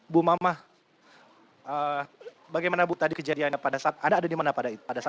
bu mamah bagaimana bu tadi kejadian pada saat anda ada di mana pada saat itu